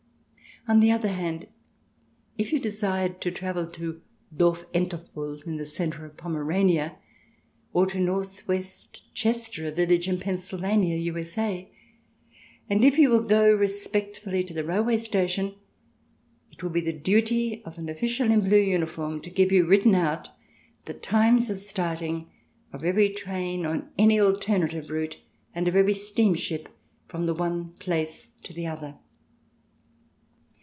On the other hand, if you desired to travel to Dorf Entepfuhl, in the centre of Pomerania, or to North West Chester, a village in Pennsylvania, U.S.A., and if you will go respectfully to the rail way station, it will be the duty of an official in blue uniform to give you, written out, the times of start ing of every train on any alternative route, and of every steamship, from the one place to the other.